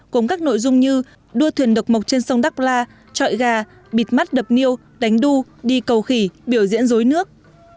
cùng các nội dung như đua thuyền độc mộc trên sông đắk la trọi gà bịt mắt đập niêu đánh đu đi cầu khỉ biểu diễn rối nước